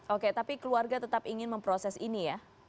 oke tapi keluarga tetap ingin memproses ini ya